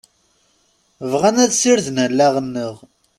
Bɣan ad sirden allaɣ-nneɣ.